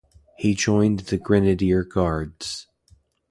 He joined the Grenadier Guards.